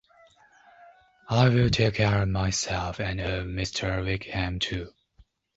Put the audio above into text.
I will take care of myself, and of Mr. Wickham too.